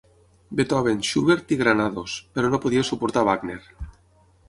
Beethoven, Schubert i Granados, però no podia suportar Wagner.